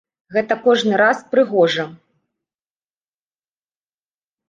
Гэта кожны раз прыгожа!